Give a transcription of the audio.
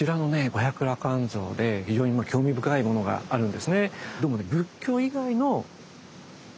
五百羅漢像で非常に興味深いものがあるんですね。